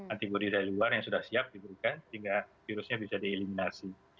antibody dari luar yang sudah siap diberikan sehingga virusnya bisa dieliminasi